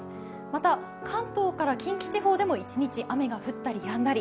また、関東から近畿地方でも一日、雨が降ったりやんだり。